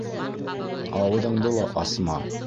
- Ауыҙыңды ла асма.